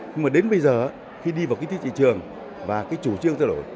nhưng mà đến bây giờ khi đi vào cái thị trường và cái chủ trương ra đổi